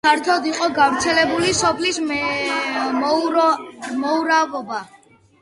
ფართოდ იყო გავრცელებული სოფლის მოურავობა.